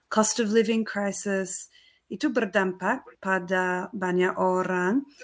cost to living crisis itu berdampak pada banyak orang